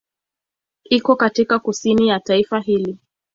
Iko katika kusini ya taifa hili.